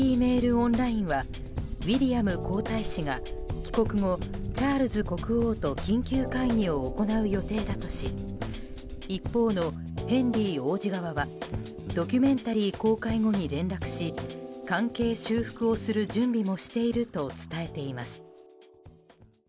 オンラインはウィリアム皇太子が帰国後、チャールズ国王と緊急会議を行う予定だとし一方のヘンリー王子側はドキュメンタリー公開後に連絡し関係修復をする準備をしていると伝えています。